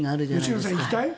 吉永さん、行きたい？